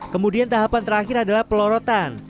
kemudian tahapan terakhir adalah pelorotan